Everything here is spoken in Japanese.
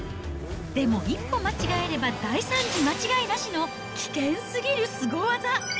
でも、一歩間違えれば大惨事間違いなしの危険すぎるすご技。